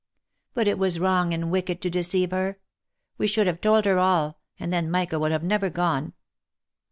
But it was wrong and wicked to deceive her. We should have told her all, and then Michael would have never gone